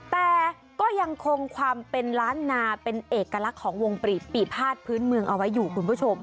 แต่ก็ยังคงความเป็นล้านนาเป็นเอกลักษณ์ของวงปีภาษพื้นเมืองเอาไว้อยู่คุณผู้ชม